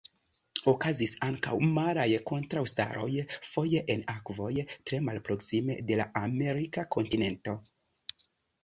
Okazis ankaŭ maraj kontraŭstaroj, foje en akvoj tre malproksime de la amerika kontinento.